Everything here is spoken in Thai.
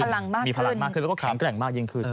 มีพลังมากขึ้นมีพลังมากขึ้นแล้วก็แข็งแกร่งมากยิ่งขึ้น